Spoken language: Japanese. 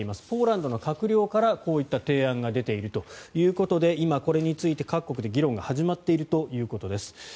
ポーランドの閣僚からこういった提案が出ているということで今これについて各国で議論が始まっているということです。